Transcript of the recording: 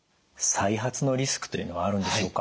再発のリスクというのはあるんでしょうか？